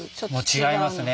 違いますね。